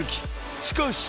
しかし。